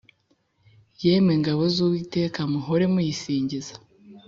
Yemwe ngabo z’uwiteka muhore muyisingiza